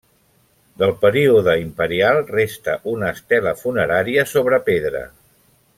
Del període imperial resta una estela funerària sobre pedra.